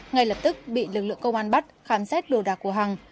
ngay lập tức bị lực lượng công an bắt khám xét đồ đạc của hằng